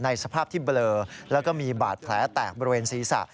สภาพที่เบลอแล้วก็มีบาดแผลแตกบริเวณศีรษะ